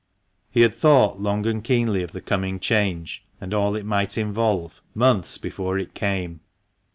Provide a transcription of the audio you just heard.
He had thought long and keenly of the coming change, and all it might involve, months before it came.